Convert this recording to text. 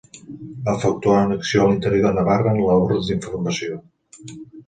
Va efectuar una acció a l'interior de Navarra en labors d'informació.